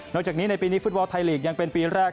จากนี้ในปีนี้ฟุตบอลไทยลีกยังเป็นปีแรก